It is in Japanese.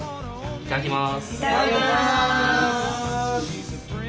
いただきます。